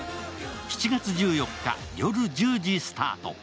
７月１４日夜１０時スタート。